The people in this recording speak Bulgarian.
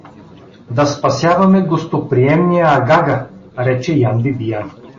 — Да спасяваме гостоприемния Ягага — рече Ян Бибиян.